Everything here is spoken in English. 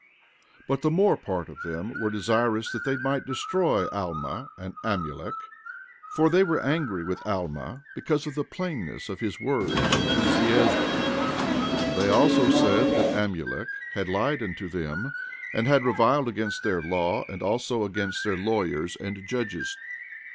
14:2 But the more part of them were desirous that they might destroy Alma and Amulek; for they were angry with Alma, because of the plainness of his words unto Zeezrom; and they also said that Amulek had lied unto them, and had reviled against their law and also against their lawyers and judges.